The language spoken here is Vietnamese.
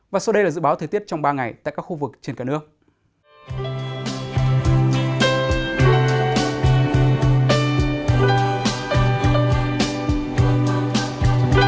và sau đây là dự báo thời tiết trong ba ngày tại các khu vực trên cả nước